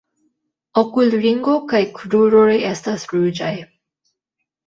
Okulringo kaj kruroj estas ruĝaj.